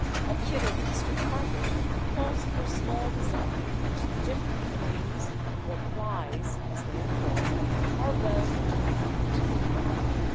A Kidderminster carpet calls for a small design in which the different planes, or plies, as they are called, are well interlocked.